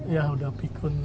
ya udah pikun